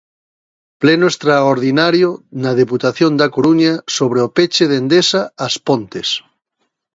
Pleno extraordinario na deputación da Coruña sobre o peche de Endesa As Pontes.